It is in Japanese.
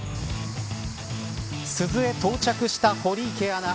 鈴へ到着した堀池アナ